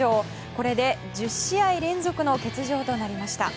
これで１０試合連続の欠場となりました。